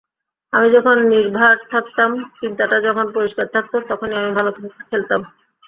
আমি যখন নির্ভার থাকতাম, চিন্তাটা যখন পরিষ্কার থাকত, তখনই আমি ভালো খেলতাম।